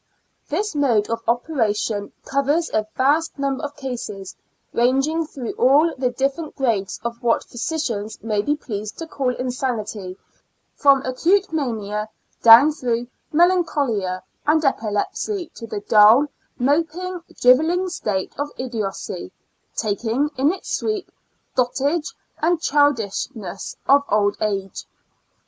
This mode of operation covers a vast number of cases, ranging through all the different grades of what physicians may be pleased to call insanity, from acute mania down through melancholia and epilepsy to the dull, moping, driveling state of idiocy, taking, in its sweep, dotage and childish ness of old age.